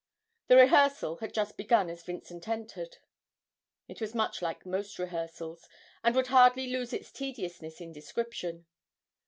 The rehearsal had just begun as Vincent entered. It was much like most rehearsals, and would hardly lose its tediousness in description.